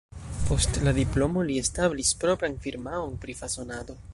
Post la diplomo li establis propran firmaon pri fasonado.